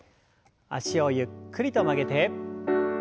脚をゆっくりと曲げて。